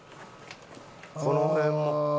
この辺も。